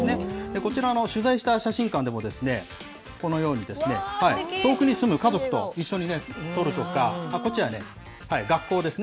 こちら、取材した写真館でも、このように、遠くに住む家族と一緒に撮るとか、こっちはね、学校ですね。